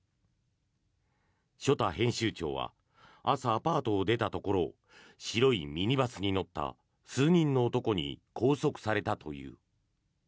ショタ編集長は朝、アパートを出たところを白いミニバスに乗った数人の男に拘束されたという。